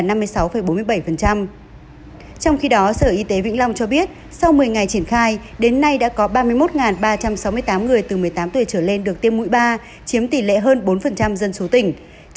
trong khi đó sở y tế vĩnh long cho biết sau một mươi ngày triển khai đến nay đã có ba mươi một ba trăm sáu mươi tám người từ một mươi tám tuổi trở lên được tiêm mũi ba chiếm tỷ lệ hơn bốn dân số tỉnh